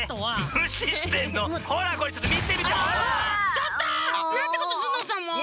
ちょっと！なんてことすんのさもう。